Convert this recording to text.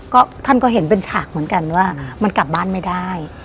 ก็ท่านก็เห็นเป็นฉากเหมือนกันว่ามันกลับบ้านไม่ได้